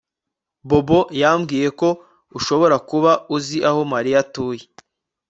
Bobo yambwiye ko ushobora kuba uzi aho Mariya atuye